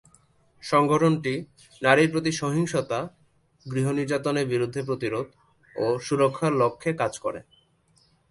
সংগঠনটি নারীর প্রতি সহিংসতা, গৃহ নির্যাতনের বিরুদ্ধে প্রতিরোধ ও সুরক্ষার লক্ষ্যে কাজ করে।